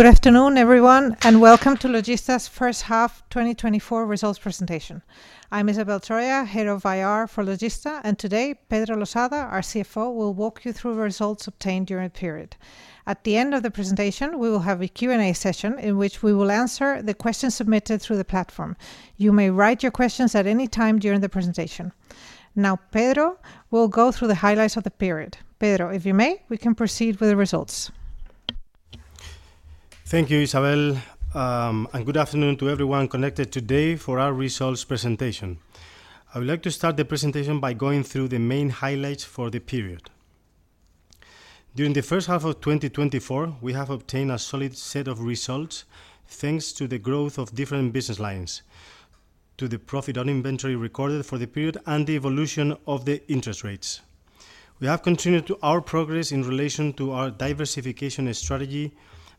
Good afternoon, everyone, and welcome to Logista's first half 2024 results presentation. I'm Isabel Troya, Head of IR for Logista, and today Pedro Losada, our CFO, will walk you through results obtained during the period. At the end of the presentation, we will have a Q&A session in which we will answer the questions submitted through the platform. You may write your questions at any time during the presentation. Now, Pedro, we'll go through the highlights of the period. Pedro, if you may, we can proceed with the results. Thank you, Isabel, and good afternoon to everyone connected today for our results presentation. I would like to start the presentation by going through the main highlights for the period. During the first half of 2024, we have obtained a solid set of results thanks to the growth of different business lines, to the profit on inventory recorded for the period, and the evolution of the interest rates. We have continued our progress in relation to our diversification strategy,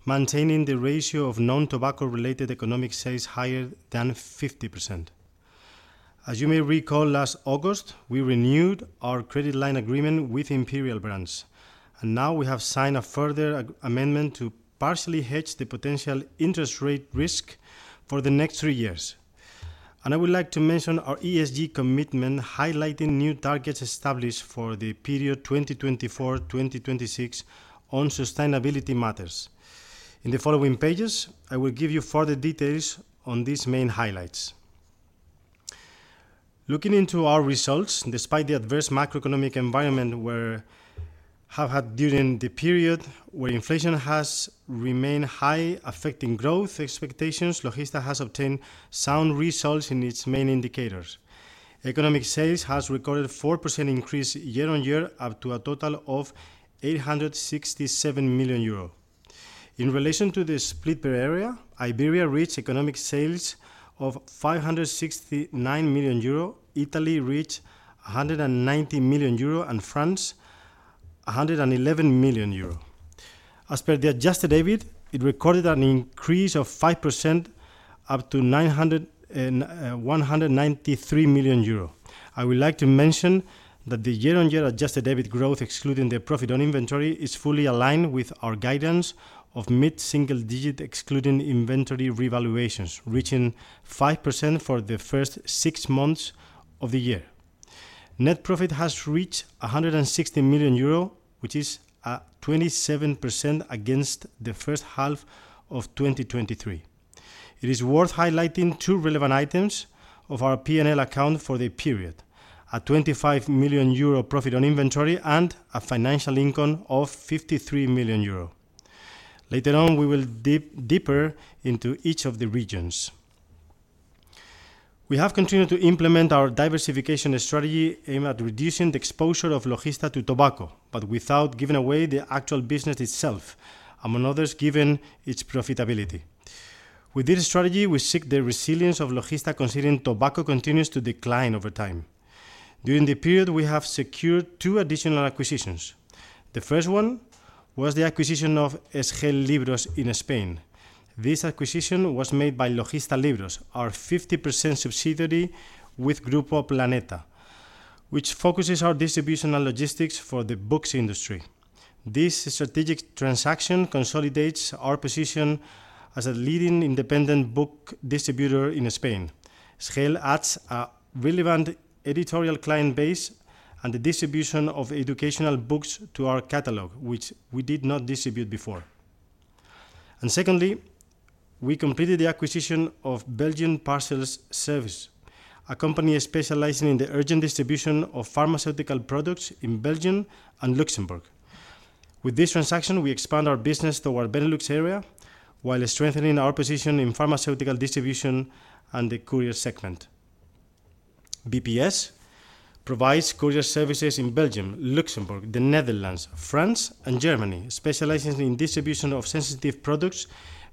maintaining the ratio of non-tobacco-related economic sales higher than 50%. As you may recall, last August, we renewed our credit line agreement with Imperial Brands, and now we have signed a further amendment to partially hedge the potential interest rate risk for the next three years. I would like to mention our ESG commitment, highlighting new targets established for the period 2024-2026 on sustainability matters. In the following pages, I will give you further details on these main highlights. Looking into our results, despite the adverse macroeconomic environment we have had during the period, where inflation has remained high affecting growth expectations, Logista has obtained sound results in its main indicators. Economic sales have recorded a 4% increase year-on-year, up to a total of 867 million euro. In relation to the split per area, Iberia reached economic sales of 569 million euro, Italy reached 190 million euro, and France 111 million euro. As per the Adjusted EBIT, it recorded an increase of 5% up to 193 million euro. I would like to mention that the year-on-year Adjusted EBIT growth, excluding the profit on inventory, is fully aligned with our guidance of mid-single digit excluding inventory revaluations, reaching 5% for the first six months of the year. Net profit has reached 160 million euro, which is a 27% against the first half of 2023. It is worth highlighting two relevant items of our P&L account for the period: a 25 million euro profit on inventory and a financial income of 53 million euro. Later on, we will dive deeper into each of the regions. We have continued to implement our diversification strategy aimed at reducing the exposure of Logista to tobacco, but without giving away the actual business itself, among others, given its profitability. With this strategy, we seek the resilience of Logista, considering tobacco continues to decline over time. During the period, we have secured two additional acquisitions. The first one was the acquisition of SGEL Libros in Spain. This acquisition was made by Logista Libros, our 50% subsidiary with Grupo Planeta, which focuses our distribution and logistics for the books industry. This strategic transaction consolidates our position as a leading independent book distributor in Spain. ESGEL adds a relevant editorial client base and the distribution of educational books to our catalog, which we did not distribute before. And secondly, we completed the acquisition of Belgium Parcels Service, a company specializing in the urgent distribution of pharmaceutical products in Belgium and Luxembourg. With this transaction, we expand our business to our Benelux area while strengthening our position in pharmaceutical distribution and the courier segment. BPS provides courier services in Belgium, Luxembourg, the Netherlands, France, and Germany, specializing in the distribution of sensitive products,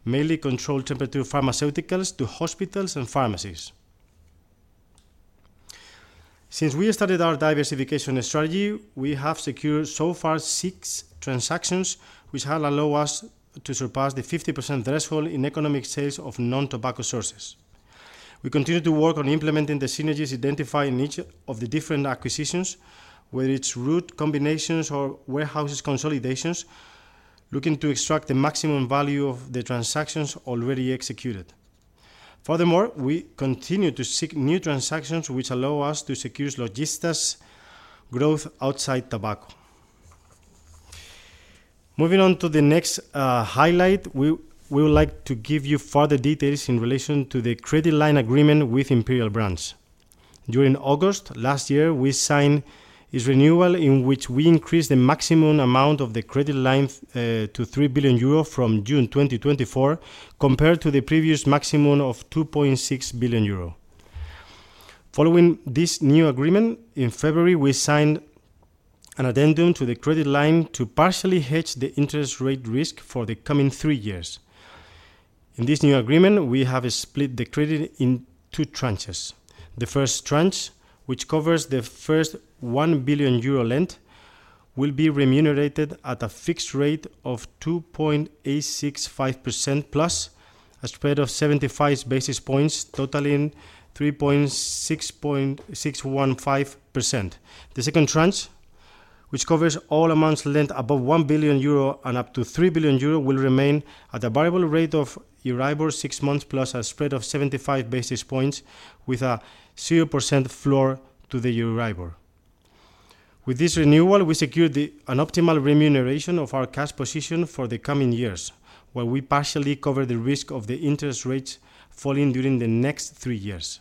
mainly controlled temperature pharmaceuticals, to hospitals and pharmacies. Since we started our diversification strategy, we have secured so far six transactions which have allowed us to surpass the 50% threshold in economic sales of non-tobacco sources. We continue to work on implementing the synergies identified in each of the different acquisitions, whether it's route combinations or warehouse consolidations, looking to extract the maximum value of the transactions already executed. Furthermore, we continue to seek new transactions which allow us to secure Logista's growth outside tobacco. Moving on to the next, highlight, we would like to give you further details in relation to the credit line agreement with Imperial Brands. During August last year, we signed its renewal in which we increased the maximum amount of the credit line, to 3 billion euro from June 2024, compared to the previous maximum of 2.6 billion euro. Following this new agreement, in February, we signed an addendum to the credit line to partially hedge the interest rate risk for the coming three years. In this new agreement, we have split the credit in two tranches. The first tranche, which covers the first 1 billion euro lent, will be remunerated at a fixed rate of 2.865%+ a spread of 75 basis points, totaling 3.615%. The second tranche, which covers all amounts lent above 1 billion euro and up to 3 billion euro, will remain at a variable rate of Euribor six months plus a spread of 75 basis points, with a 0% floor to the Euribor. With this renewal, we secured an optimal remuneration of our cash position for the coming years, while we partially cover the risk of the interest rates falling during the next three years.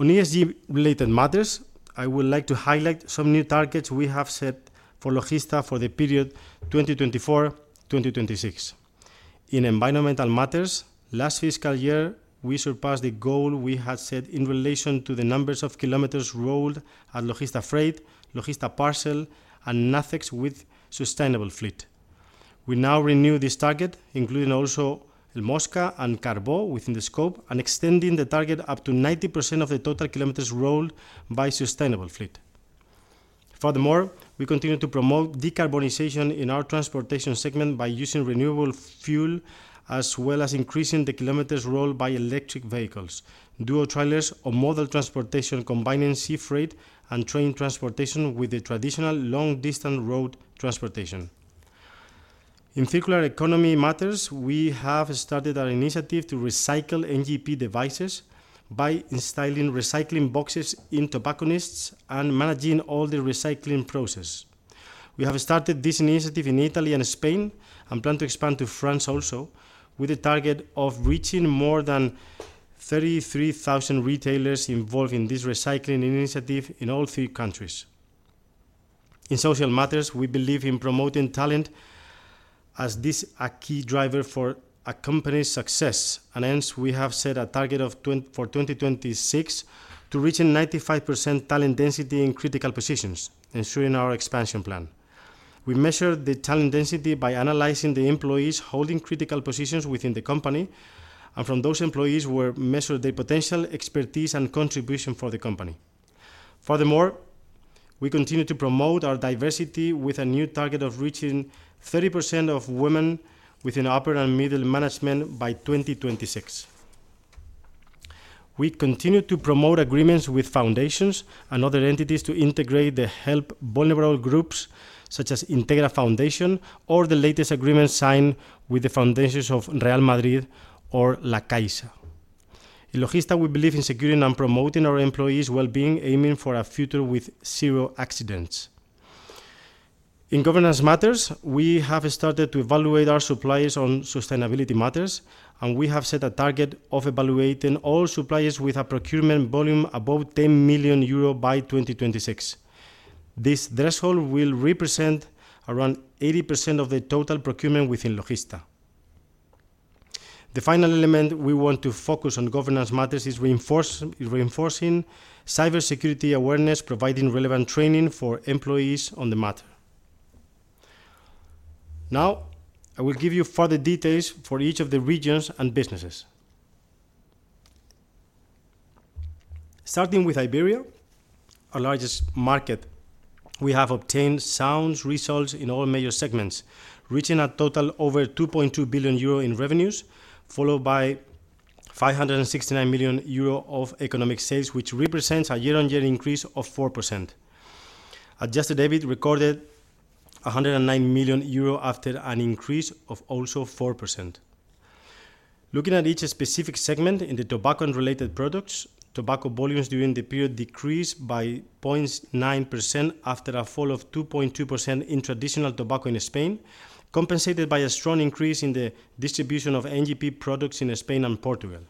On ESG-related matters, I would like to highlight some new targets we have set for Logista for the period 2024-2026. In environmental matters, last fiscal year, we surpassed the goal we had set in relation to the numbers of kilometers rolled at Logista Freight, Logista Parcel, and Nacex with sustainable fleet. We now renew this target, including also El Mosca and Carbó within the scope, and extending the target up to 90% of the total kilometers rolled by sustainable fleet. Furthermore, we continue to promote decarbonization in our transportation segment by using renewable fuel as well as increasing the kilometers rolled by electric vehicles, duo trailers, or model transportation combining sea freight and train transportation with the traditional long-distance road transportation. In circular economy matters, we have started our initiative to recycle NGP devices by installing recycling boxes in tobacconists and managing all the recycling process. We have started this initiative in Italy and Spain and plan to expand to France also, with the target of reaching more than 33,000 retailers involved in this recycling initiative in all three countries. In social matters, we believe in promoting talent as this is a key driver for a company's success, and hence we have set a target for 2026 to reach a 95% talent density in critical positions, ensuring our expansion plan. We measure the talent density by analyzing the employees holding critical positions within the company, and from those employees we measure their potential, expertise, and contribution for the company. Furthermore, we continue to promote our diversity with a new target of reaching 30% of women within upper and middle management by 2026. We continue to promote agreements with foundations and other entities to integrate and help vulnerable groups such as Fundación Integra or the latest agreement signed with the foundations of Real Madrid or La Caixa. In Logista, we believe in securing and promoting our employees' well-being, aiming for a future with zero accidents. In governance matters, we have started to evaluate our suppliers on sustainability matters, and we have set a target of evaluating all suppliers with a procurement volume above 10 million euro by 2026. This threshold will represent around 80% of the total procurement within Logista. The final element we want to focus on in governance matters is reinforcing cybersecurity awareness, providing relevant training for employees on the matter. Now, I will give you further details for each of the regions and businesses. Starting with Iberia, our largest market, we have obtained sound results in all major segments, reaching a total over 2.2 billion euro in revenues, followed by 569 million euro of economic sales, which represents a year-over-year increase of 4%. Adjusted EBIT recorded 109 million euro after an increase of also 4%. Looking at each specific segment in the tobacco-related products, tobacco volumes during the period decreased by 0.9% after a fall of 2.2% in traditional tobacco in Spain, compensated by a strong increase in the distribution of NGP products in Spain and Portugal.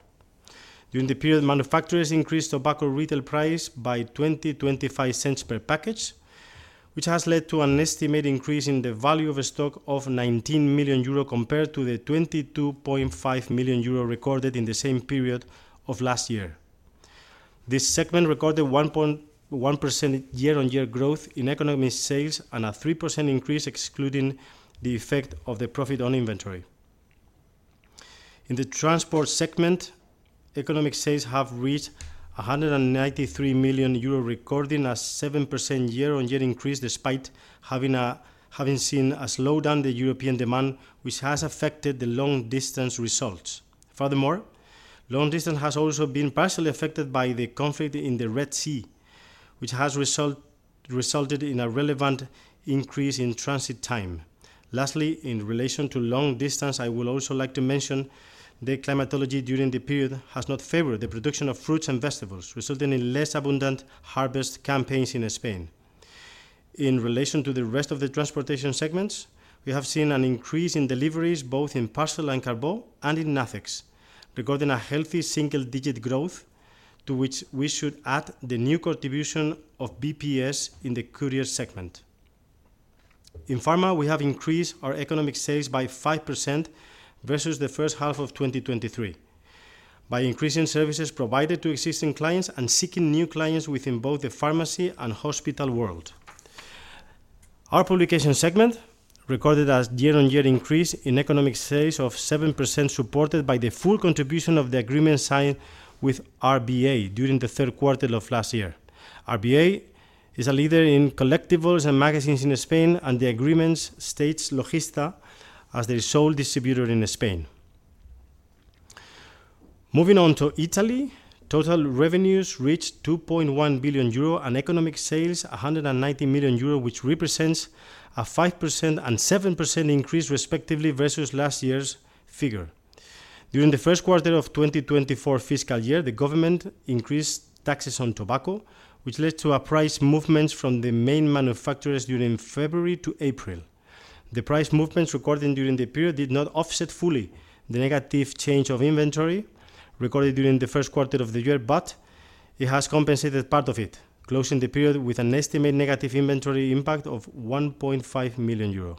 During the period, manufacturers increased tobacco retail price by 0.0025 per package, which has led to an estimated increase in the value of stock of 19 million euro compared to the 22.5 million euro recorded in the same period of last year. This segment recorded 1.1% year-on-year growth in economic sales and a 3% increase excluding the effect of the profit on inventory. In the transport segment, economic sales have reached 193 million euro recording a 7% year-on-year increase despite having seen a slowdown in European demand, which has affected the long-distance results. Furthermore, long-distance has also been partially affected by the conflict in the Red Sea, which has resulted in a relevant increase in transit time. Lastly, in relation to long-distance, I would also like to mention the climatology during the period has not favored the production of fruits and vegetables, resulting in less abundant harvest campaigns in Spain. In relation to the rest of the transportation segments, we have seen an increase in deliveries both in Parcel and Carbó and in NATHEX, recording a healthy single-digit growth to which we should add the new contribution of BPS in the courier segment. In pharma, we have increased our economic sales by 5% versus the first half of 2023 by increasing services provided to existing clients and seeking new clients within both the pharmacy and hospital world. Our publication segment recorded a year-on-year increase in economic sales of 7%, supported by the full contribution of the agreements signed with RBA during the third quarter of last year. RBA is a leader in collectibles and magazines in Spain, and the agreements state Logista as the sole distributor in Spain. Moving on to Italy, total revenues reached 2.1 billion euro and economic sales 190 million euro, which represents a 5% and 7% increase respectively versus last year's figure. During the first quarter of 2024 fiscal year, the government increased taxes on tobacco, which led to price movements from the main manufacturers during February to April. The price movements recorded during the period did not offset fully the negative change of inventory recorded during the first quarter of the year, but it has compensated part of it, closing the period with an estimated negative inventory impact of 1.5 million euro.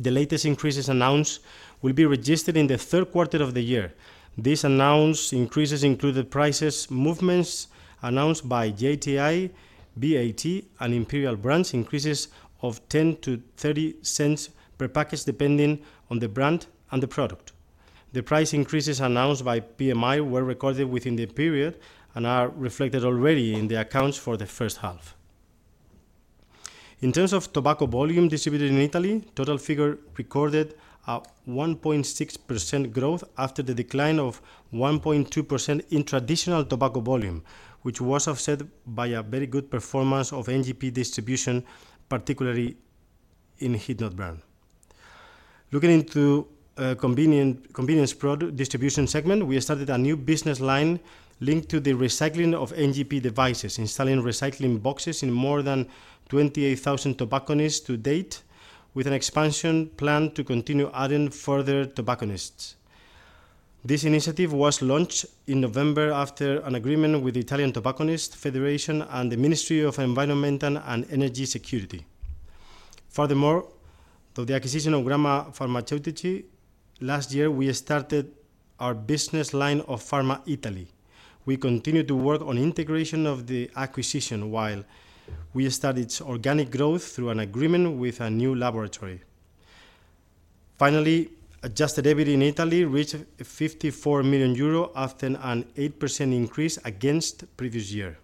The latest increases announced will be registered in the third quarter of the year. These announced increases include the price movements announced by JTI, BAT, and Imperial Brands, increases of 0.10-0.30 per package depending on the brand and the product. The price increases announced by PMI were recorded within the period and are reflected already in the accounts for the first half. In terms of tobacco volume distributed in Italy, total figure recorded a 1.6% growth after the decline of 1.2% in traditional tobacco volume, which was offset by a very good performance of NGP distribution, particularly in Heat Not Burn. Looking into a convenience distribution segment, we started a new business line linked to the recycling of NGP devices, installing recycling boxes in more than 28,000 tobacconists to date, with an expansion plan to continue adding further tobacconists. This initiative was launched in November after an agreement with the Italian Tobacconists Federation and the Ministry of Environmental and Energy Security. Furthermore, through the acquisition of Gramma Farmaceutici last year, we started our business line of Pharma Italy. We continue to work on integration of the acquisition while we start its organic growth through an agreement with a new laboratory. Finally, adjusted EBIT in Italy reached 54 million euro after an 8% increase against the previous year.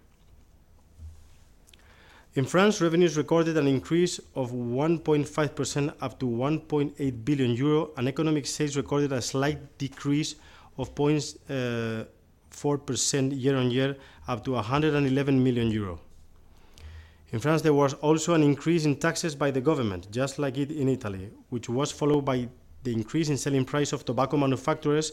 In France, revenues recorded an increase of 1.5% up to 1.8 billion euro and economic sales recorded a slight decrease of 0.4% year-on-year up to 111 million euro. In France, there was also an increase in taxes by the government, just like in Italy, which was followed by the increase in selling price of tobacco manufacturers,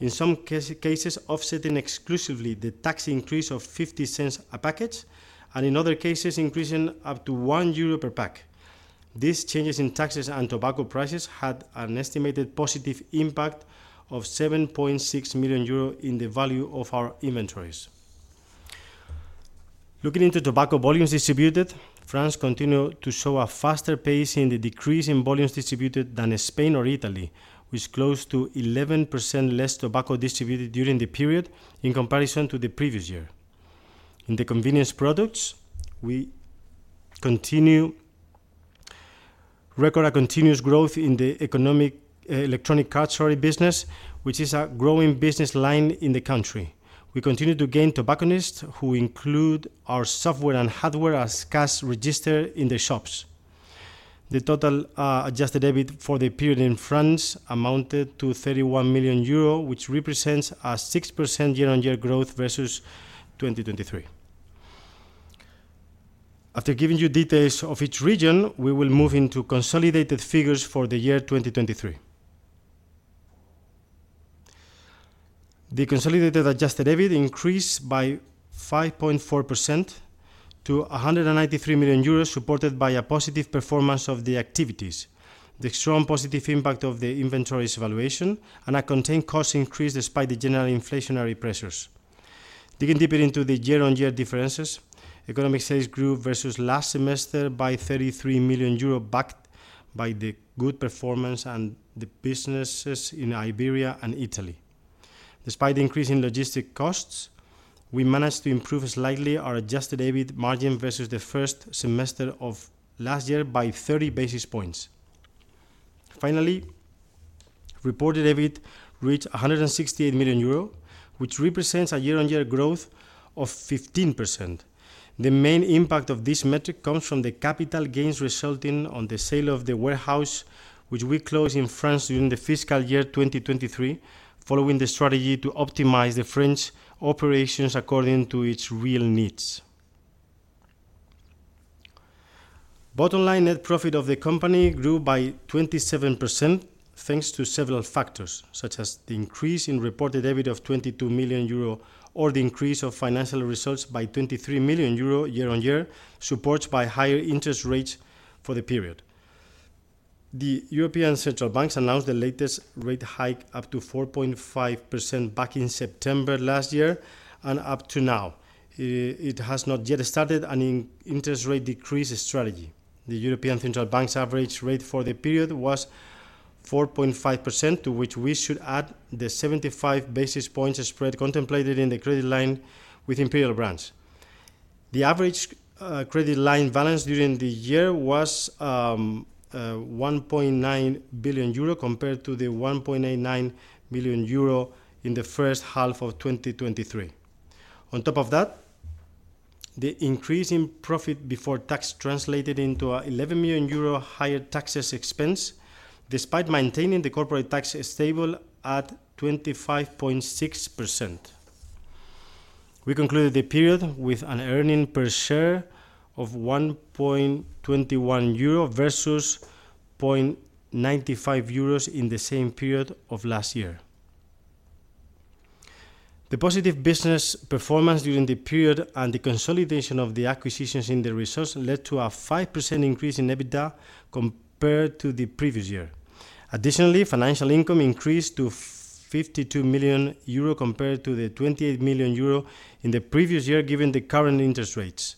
in some cases offsetting exclusively the tax increase of 0.50 a package and in other cases increasing up to 1 euro per pack. These changes in taxes and tobacco prices had an estimated positive impact of 7.6 million euro in the value of our inventories. Looking into tobacco volumes distributed, France continued to show a faster pace in the decrease in volumes distributed than Spain or Italy, with close to 11% less tobacco distributed during the period in comparison to the previous year. In the convenience products, we record a continuous growth in the economic electronic category business, which is a growing business line in the country. We continue to gain tobacconists who include our software and hardware as cash registered in the shops. The total adjusted EBIT for the period in France amounted to 31 million euros, which represents a 6% year-on-year growth versus 2023. After giving you details of each region, we will move into consolidated figures for the year 2023. The consolidated adjusted EBIT increased by 5.4% to 193 million euros, supported by a positive performance of the activities, the strong positive impact of the inventory's valuation, and a contained cost increase despite the general inflationary pressures. Digging deeper into the year-on-year differences, economic sales grew versus last semester by 33 million euro, backed by the good performance and the businesses in Iberia and Italy. Despite the increase in logistic costs, we managed to improve slightly our adjusted EBIT margin versus the first semester of last year by 30 basis points. Finally, reported EBIT reached 168 million euro, which represents a year-on-year growth of 15%. The main impact of this metric comes from the capital gains resulting on the sale of the warehouse, which we closed in France during the fiscal year 2023, following the strategy to optimize the French operations according to its real needs. Bottom line net profit of the company grew by 27% thanks to several factors, such as the increase in reported EBIT of 22 million euro or the increase of financial results by 23 million euro year-on-year, supported by higher interest rates for the period. The European Central Bank announced the latest rate hike up to 4.5% back in September last year and up to now. It has not yet started an interest rate decrease strategy. The European Central Bank's average rate for the period was 4.5%, to which we should add the 75 basis points spread contemplated in the credit line with Imperial Brands. The average credit line balance during the year was 1.9 billion euro compared to the 1.89 billion euro in the first half of 2023. On top of that, the increase in profit before tax translated into a 11 million euro higher taxes expense, despite maintaining the corporate tax stable at 25.6%. We concluded the period with an earnings per share of 1.21 euro versus 0.95 euros in the same period of last year. The positive business performance during the period and the consolidation of the acquisitions in the business led to a 5% increase in EBITDA compared to the previous year. Additionally, financial income increased to 52 million euro compared to the 28 million euro in the previous year given the current interest rates.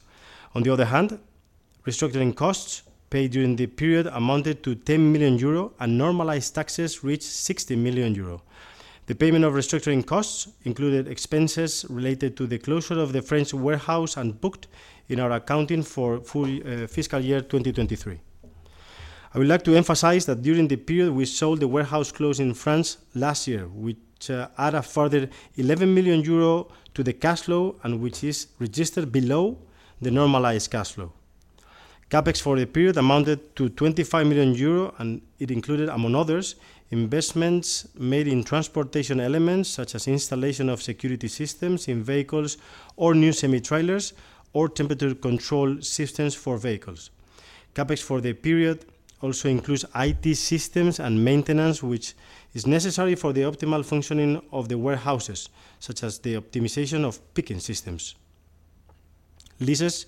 On the other hand, restructuring costs paid during the period amounted to 10 million euro and normalized taxes reached 60 million euro. The payment of restructuring costs included expenses related to the closure of the French warehouse and booked in our accounting for fiscal year 2023. I would like to emphasize that during the period, we sold the warehouse closed in France last year, which added further 11 million euro to the cash flow and which is registered below the normalized cash flow. CapEx for the period amounted to 25 million euro and it included, among others, investments made in transportation elements such as installation of security systems in vehicles or new semi-trailers or temperature control systems for vehicles. CapEx for the period also includes IT systems and maintenance, which is necessary for the optimal functioning of the warehouses, such as the optimization of picking systems. Leases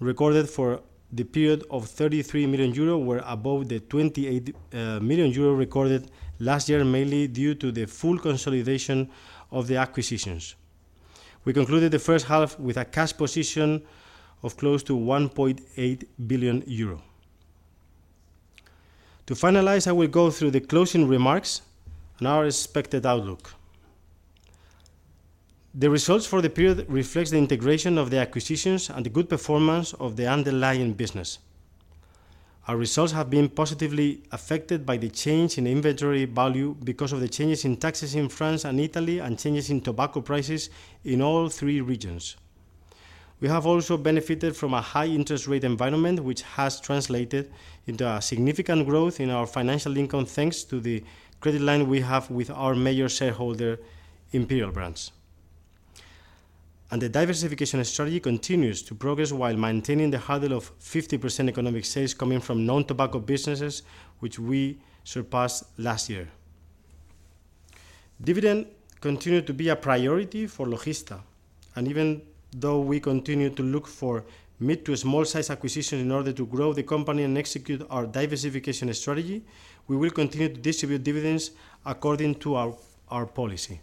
recorded for the period of 33 million euro were above the 28 million euro recorded last year, mainly due to the full consolidation of the acquisitions. We concluded the first half with a cash position of close to 1.8 billion euro. To finalize, I will go through the closing remarks and our expected outlook. The results for the period reflect the integration of the acquisitions and the good performance of the underlying business. Our results have been positively affected by the change in inventory value because of the changes in taxes in France and Italy and changes in tobacco prices in all three regions. We have also benefited from a high interest rate environment, which has translated into a significant growth in our financial income thanks to the credit line we have with our major shareholder, Imperial Brands. The diversification strategy continues to progress while maintaining the hurdle of 50% economic sales coming from non-tobacco businesses, which we surpassed last year. Dividend continues to be a priority for Logista. And even though we continue to look for mid to small-size acquisitions in order to grow the company and execute our diversification strategy, we will continue to distribute dividends according to our policy.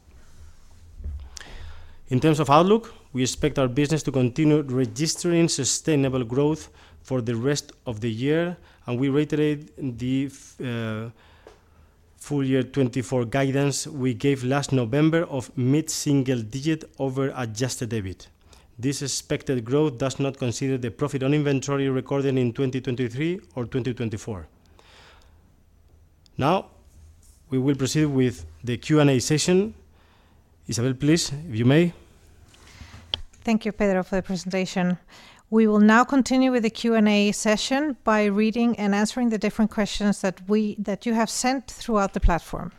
In terms of outlook, we expect our business to continue registering sustainable growth for the rest of the year. We reiterate the full year 2024 guidance we gave last November of mid-single-digit over Adjusted EBIT. This expected growth does not consider the profit on inventory recorded in 2023 or 2024. Now we will proceed with the Q&A session. Isabel, please, if you may. Thank you, Pedro, for the presentation. We will now continue with the Q&A session by reading and answering the different questions that you have sent throughout the platform.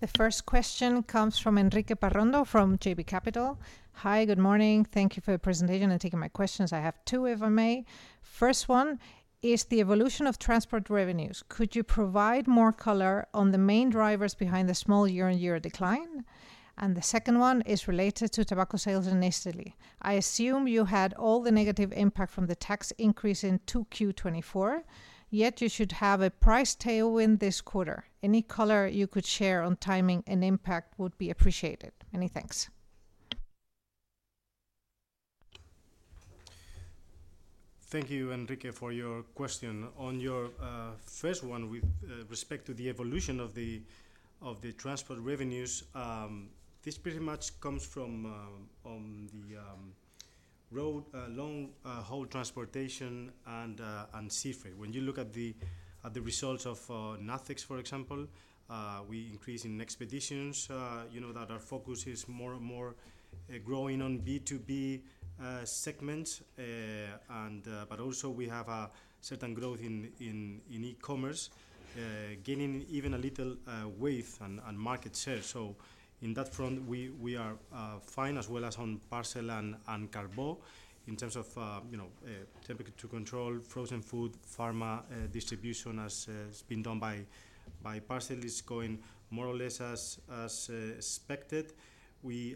The first question comes from Enrique Parrondo from JB Capital. Hi, good morning. Thank you for the presentation and taking my questions. I have two, if I may. First one is the evolution of transport revenues. Could you provide more color on the main drivers behind the small year-on-year decline? And the second one is related to tobacco sales in Italy. I assume you had all the negative impact from the tax increase in Q2 2024, yet you should have a price tailwind this quarter. Any color you could share on timing and impact would be appreciated. Many thanks. Thank you, Enrique, for your question. On your first one with respect to the evolution of the transport revenues, this pretty much comes from the road long-haul transportation and seafreight. When you look at the results of NACEX, for example, we increase in expeditions that our focus is more and more growing on B2B segments. But also we have a certain growth in e-commerce, gaining even a little weight and market share. So in that front, we are fine as well as on Parcel and Carbó. In terms of temperature control, frozen food, pharma distribution, as it's been done by Parcel, it's going more or less as expected. We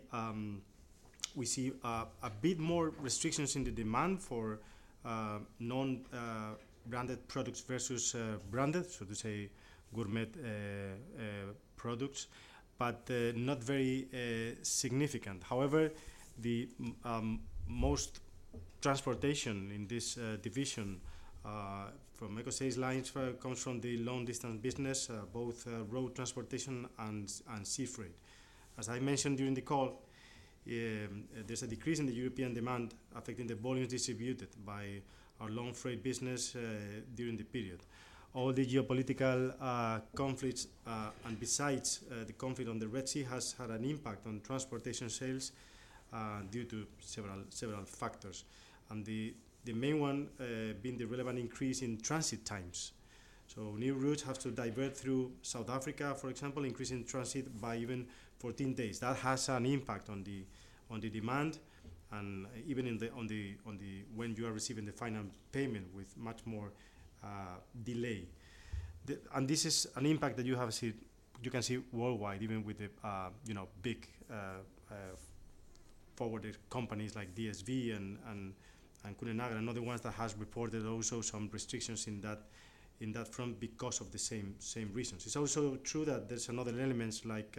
see a bit more restrictions in the demand for non-branded products versus branded, so to say, gourmet products, but not very significant. However, the most transportation in this division from economic sales lines comes from the long-distance business, both road transportation and sea freight. As I mentioned during the call, there's a decrease in the European demand affecting the volumes distributed by our Logista Freight business during the period. All the geopolitical conflicts, and besides the conflict on the Red Sea, have had an impact on transportation sales due to several factors. And the main one being the relevant increase in transit times. So new routes have to divert through South Africa, for example, increasing transit by even 14 days. That has an impact on the demand and even on when you are receiving the final payment with much more delay. And this is an impact that you can see worldwide, even with the big forwarders companies like DSV and Kuehne+Nagel and other ones that have reported also some restrictions in that front because of the same reasons. It's also true that there's another element like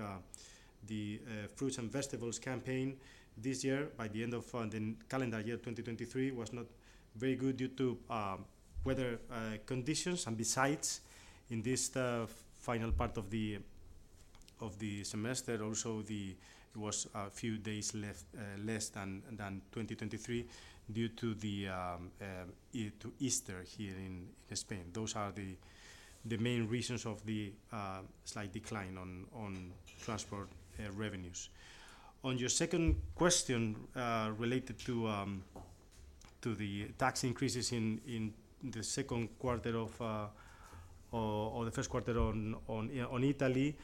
the fruits and vegetables campaign this year. By the end of the calendar year 2023, it was not very good due to weather conditions. And besides, in this final part of the semester, also it was a few days less than 2023 due to Easter here in Spain. Those are the main reasons of the slight decline on transport revenues. On your second question related to the tax increases in the second quarter or the first quarter in Italy,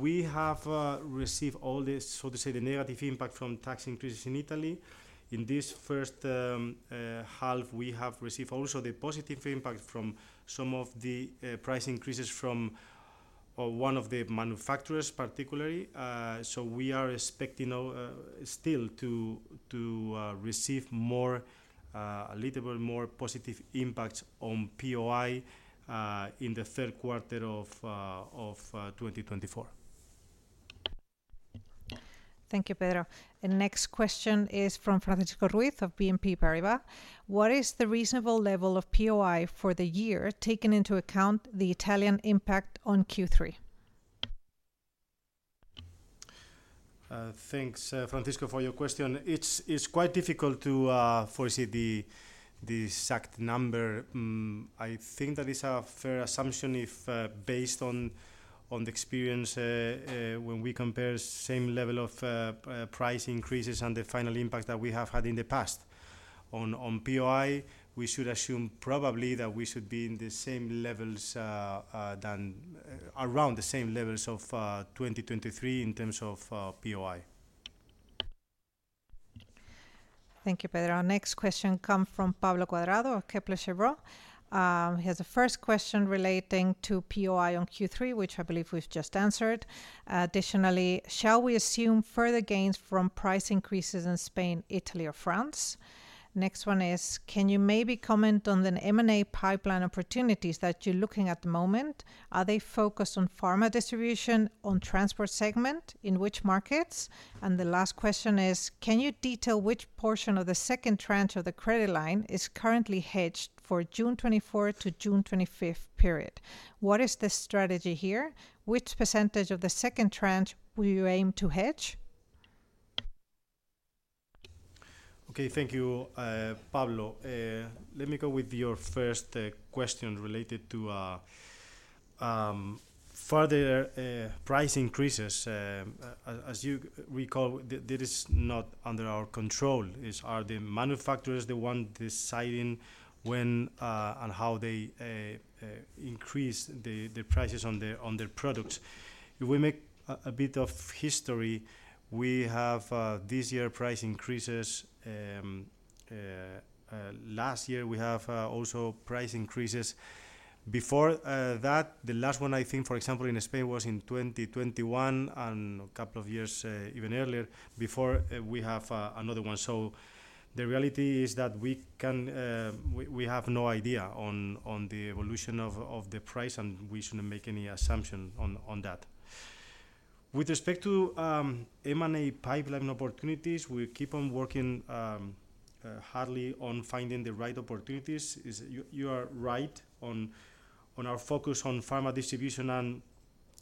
we have received all the, so to say, the negative impact from tax increases in Italy. In this first half, we have received also the positive impact from some of the price increases from one of the manufacturers, particularly. So we are expecting still to receive a little bit more positive impacts on POI in the third quarter of 2024. Thank you, Pedro. Next question is from Francisco Ruiz of BNP Paribas. What is the reasonable level of POI for the year taken into account the Italian impact on Q3? Thanks, Francisco, for your question. It's quite difficult to foresee the exact number. I think that is a fair assumption based on the experience when we compare same level of price increases and the final impact that we have had in the past. On POI, we should assume probably that we should be in the same levels around the same levels of 2023 in terms of POI. Thank you, Pedro. Next question comes from Pablo Cuadrado, Kepler Cheuvreux. He has the first question relating to POI on Q3, which I believe we've just answered. Additionally, shall we assume further gains from price increases in Spain, Italy, or France? Next one is, can you maybe comment on the M&A pipeline opportunities that you're looking at the moment? Are they focused on pharma distribution, on transport segment, in which markets? And the last question is, can you detail which portion of the second tranche of the credit line is currently hedged for June 2024 to June 2025 period? What is the strategy here? Which percentage of the second tranche will you aim to hedge? Okay, thank you, Pablo. Let me go with your first question related to further price increases. As you recall, this is not under our control. Are the manufacturers the ones deciding when and how they increase the prices on their products? If we make a bit of history, we have this year price increases. Last year, we have also price increases. Before that, the last one, I think, for example, in Spain was in 2021 and a couple of years even earlier. Before, we have another one. So the reality is that we have no idea on the evolution of the price and we shouldn't make any assumption on that. With respect to M&A pipeline opportunities, we keep on working hard on finding the right opportunities. You are right on our focus on pharma distribution and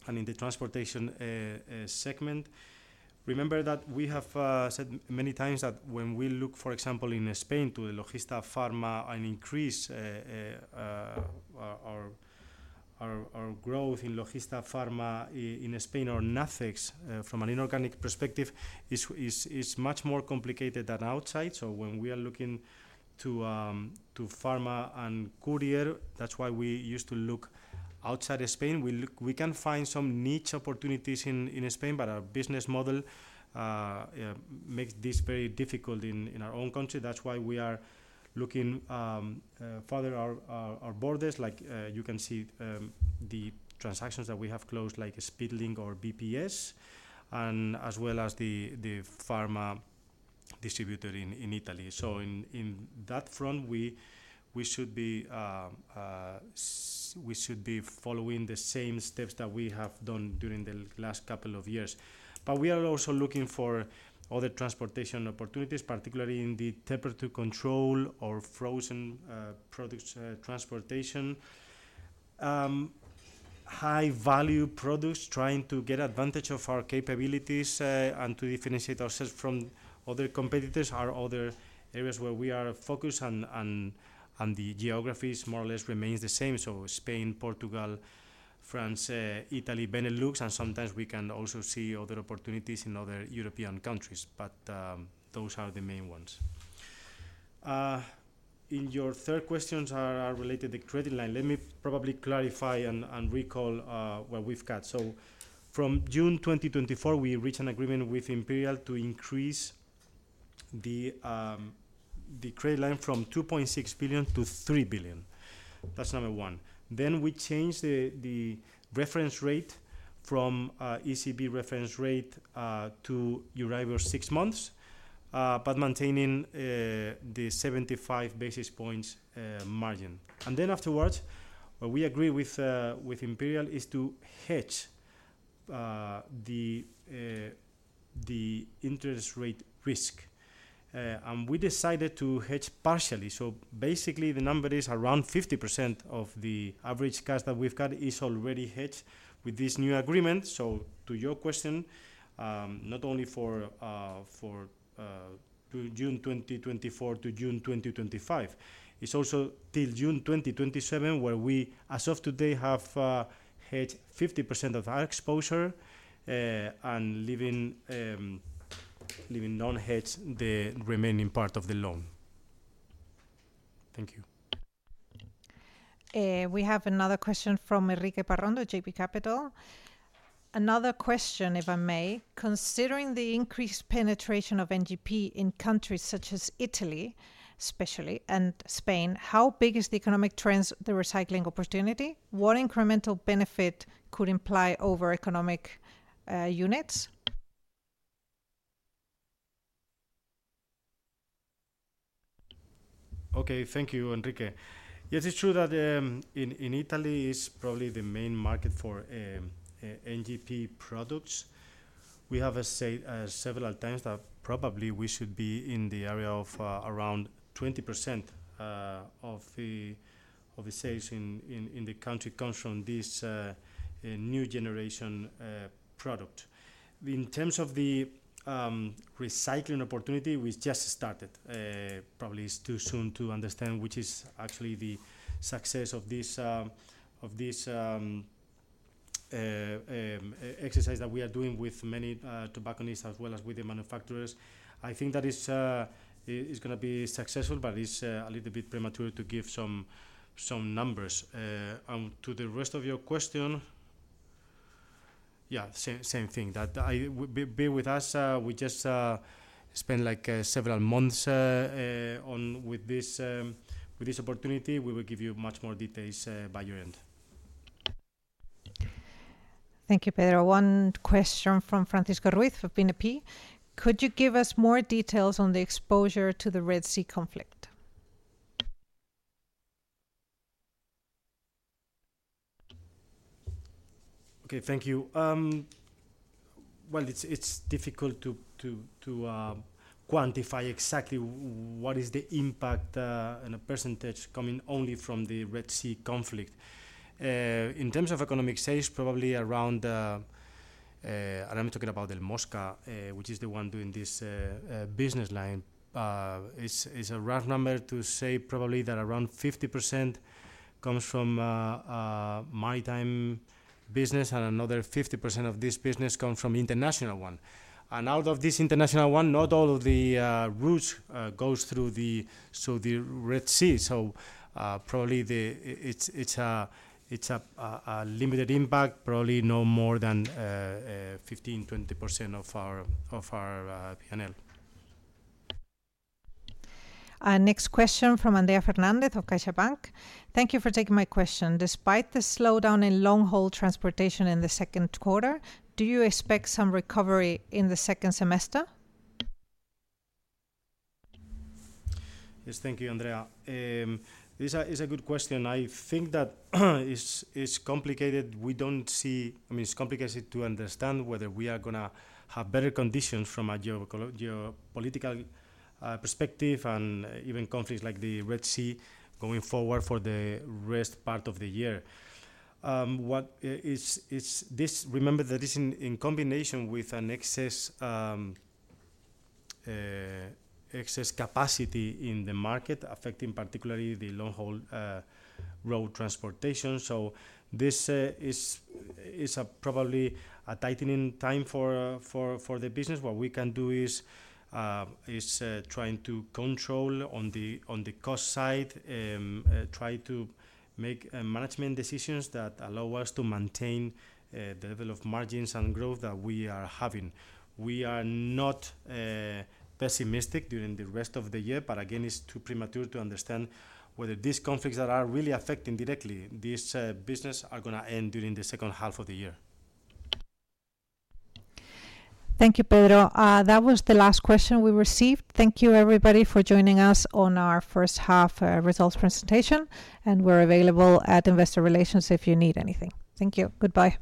in the transportation segment. Remember that we have said many times that when we look, for example, in Spain to the Logista Pharma and increase our growth in Logista Pharma in Spain or NATHEX from an inorganic perspective, it's much more complicated than outside. So when we are looking to pharma and courier, that's why we used to look outside Spain. We can find some niche opportunities in Spain, but our business model makes this very difficult in our own country. That's why we are looking farther our borders. Like you can see the transactions that we have closed, like Speedlink or BPS, and as well as the pharma distributor in Italy. So in that front, we should be following the same steps that we have done during the last couple of years. But we are also looking for other transportation opportunities, particularly in the temperature control or frozen products transportation. High-value products, trying to get advantage of our capabilities and to differentiate ourselves from other competitors. Our other areas where we are focused and the geography more or less remains the same. So Spain, Portugal, France, Italy, Benelux. And sometimes we can also see other opportunities in other European countries. But those are the main ones. In your third questions are related to the credit line. Let me probably clarify and recall what we've got. So from June 2024, we reached an agreement with Imperial to increase the credit line from 2.6 billion to 3 billion. That's number one. Then we changed the reference rate from ECB reference rate to Euribor six months, but maintaining the 75 basis points margin. And then afterwards, what we agreed with Imperial is to hedge the interest rate risk. And we decided to hedge partially. Basically, the number is around 50% of the average cash that we've got is already hedged with this new agreement. To your question, not only for June 2024 to June 2025, it's also till June 2027 where we, as of today, have hedged 50% of our exposure and leaving non-hedged the remaining part of the loan. Thank you. We have another question from Enrique Parrondo, JB Capital. Another question, if I may. Considering the increased penetration of NGP in countries such as Italy, especially, and Spain, how big is the economic trends, the recycling opportunity? What incremental benefit could imply over economic units? Okay, thank you, Enrique. Yes, it's true that in Italy is probably the main market for NGP products. We have said several times that probably we should be in the area of around 20% of the sales in the country comes from this new generation product. In terms of the recycling opportunity, we just started. Probably it's too soon to understand which is actually the success of this exercise that we are doing with many tobacconists as well as with the manufacturers. I think that it's going to be successful, but it's a little bit premature to give some numbers. And to the rest of your question, yeah, same thing. Be with us. We just spent several months with this opportunity. We will give you much more details by your end. Thank you, Pedro. One question from Francisco Ruiz for BNP. Could you give us more details on the exposure to the Red Sea conflict? Okay, thank you. Well, it's difficult to quantify exactly what is the impact and a percentage coming only from the Red Sea conflict. In terms of economic sales, probably around and I'm talking about Elmosca, which is the one doing this business line. It's a rough number to say probably that around 50% comes from maritime business and another 50% of this business comes from international one. And out of this international one, not all of the routes go through the Red Sea. So probably it's a limited impact, probably no more than 15%-20% of our P&L. Next question from Andrea Fernández of CaixaBank. Thank you for taking my question. Despite the slowdown in long-haul transportation in the second quarter, do you expect some recovery in the second semester? Yes, thank you, Andrea. This is a good question. I think that it's complicated. I mean, it's complicated to understand whether we are going to have better conditions from a geopolitical perspective and even conflicts like the Red Sea going forward for the rest part of the year. Remember that it's in combination with an excess capacity in the market affecting particularly the long-haul road transportation. So this is probably a tightening time for the business. What we can do is trying to control on the cost side, try to make management decisions that allow us to maintain the level of margins and growth that we are having. We are not pessimistic during the rest of the year, but again, it's too premature to understand whether these conflicts that are really affecting directly this business are going to end during the second half of the year. Thank you, Pedro. That was the last question we received. Thank you, everybody, for joining us on our first half results presentation. We're available at Investor Relations if you need anything. Thank you. Goodbye.